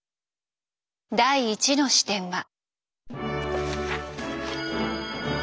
第１の視点は。